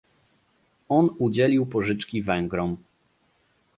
On udzielił pożyczki Węgrom